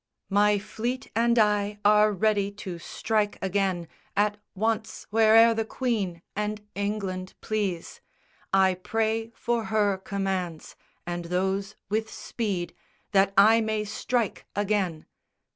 My fleet and I are ready to strike again At once, where'er the Queen and England please. I pray for her commands, and those with speed, That I may strike again."